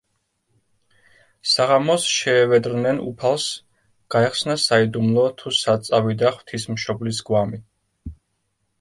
საღამოს შეევედრნენ უფალს: გაეხსნა საიდუმლო, თუ სად წავიდა ღვთისმშობლის გვამი.